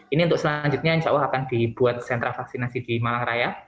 ini untuk selanjutnya insya allah akan dibuat sentra vaksinasi di malang raya